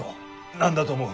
何だと思う？